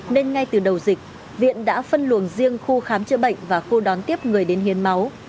nên ngay từ đầu dịch viện đã phân luồng riêng khu khám chữa bệnh và khu đón tiếp người đến hiến máu